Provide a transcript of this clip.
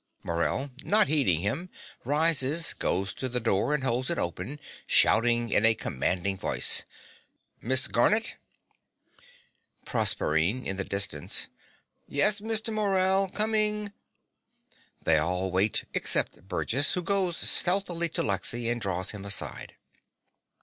MORELL (not heeding him, rises; goes to the door; and holds it open, shouting in a commanding voice). Miss Garnett. PROSERPINE (in the distance). Yes, Mr. Morell. Coming. (They all wait, except Burgess, who goes stealthily to Lexy and draws him aside.)